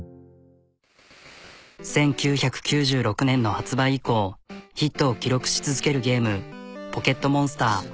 １９９６年の発売以降ヒットを記録し続けるゲームポケットモンスター。